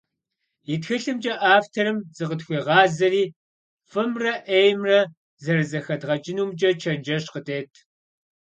И тхылъымкӀэ авторым зыкъытхуегъазэри фӀымрэ Ӏеймрэ зэрызэхэдгъэкӀынумкӀэ чэнджэщ къыдет.